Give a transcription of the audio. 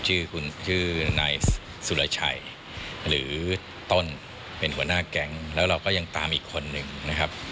ชื่อคุณชื่อนายสุรชัยหรือต้นเป็นหัวหน้าแก๊งแล้วเราก็ยังตามอีกคนหนึ่งนะครับ